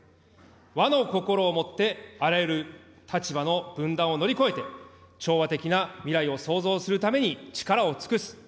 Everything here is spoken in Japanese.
和の心をもって、あらゆる立場の分断を乗り越えて、調和的な未来を創造するために、力を尽くす。